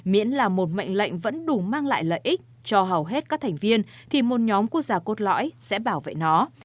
miễn là một mệnh lệnh vẫn đủ mang lại lợi ích cho hầu hết các thành viên thì một nhóm quốc gia cốt lõi sẽ bảo vệ nó